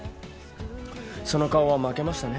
その顔は負けましたね。